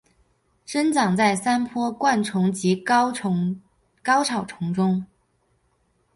生长在山坡灌丛及高草丛中。